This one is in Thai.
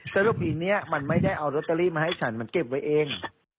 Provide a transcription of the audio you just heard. สรุปปีนี้มันไม่ได้เอาลอตเตอรี่มาให้ฉันมันเก็บไว้เอง